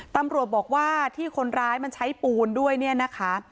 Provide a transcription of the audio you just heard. ตำรวจบอกว่าที่คนร้ายมันใช้ปูนด้วยเนี่ยนะคะ